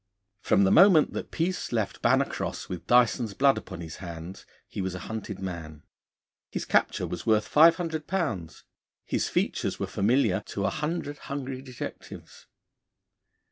From the moment that Peace left Bannercross with Dyson's blood upon his hands, he was a hunted man. His capture was worth five hundred pounds; his features were familiar to a hundred hungry detectives.